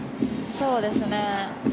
そうですね。